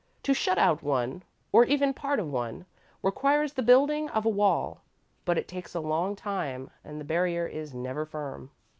To shut out one, or even part of one, requires the building of a wall, but it takes a long time and the barrier is never firm.